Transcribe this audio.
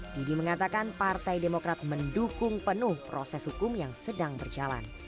didi mengatakan partai demokrat mendukung penuh proses hukum yang sedang berjalan